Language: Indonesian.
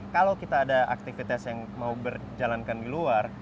kalau kita ada aktivitas yang mau berjalankan di luar